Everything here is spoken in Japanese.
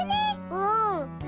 うん。